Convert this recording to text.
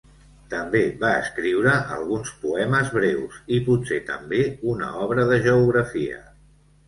També va escriure alguns poemes breus i potser també una obra de geografia.